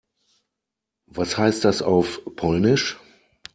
Was heißt das auf Polnisch?